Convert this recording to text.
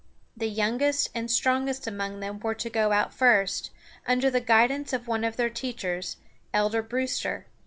The youngest and strongest among them were to go out first, under the guidance of one of their teachers, Elder Brewster.